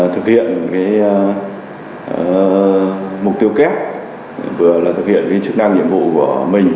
thực hiện mục tiêu kép vừa là thực hiện chức năng nhiệm vụ của mình